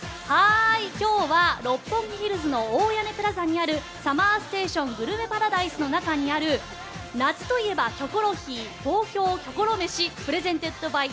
今日は六本木ヒルズの大屋根プラザにあるＳＵＭＭＥＲＳＴＡＴＩＯＮグルメパラダイスの中にある夏といえばキョコロヒー東京キョコロめしｐｒｅｓｅｎｔｅｄｂｙ